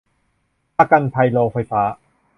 ประกันภัยโรงไฟฟ้า